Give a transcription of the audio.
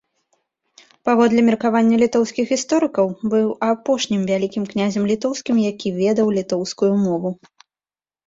Паводле меркавання літоўскіх гісторыкаў, быў апошнім вялікім князем літоўскім, які ведаў літоўскую мову.